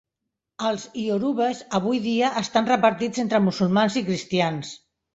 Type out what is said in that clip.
Els iorubes avui dia estan repartits entre musulmans i cristians.